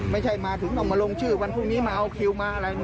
ไม่ใช่ถึงมาลงชื่อวันพรุ่งนี้มาเอาคิวอะไรใหม่